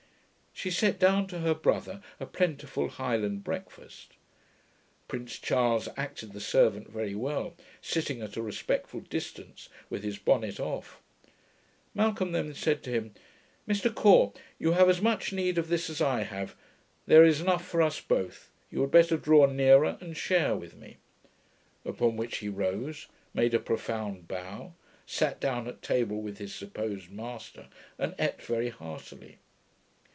She set down to her brother a plentiful Highland breakfast. Prince Charles acted the servant very well, sitting at a respectful distance, with his bonnet off. Malcolm then said to him, 'Mr Caw, you have as much need of this as I have; there is enough for us both: you had better draw nearer and share with me.' Upon which he rose, made a profound bow, sat down at table with his supposed master, and eat very heartily.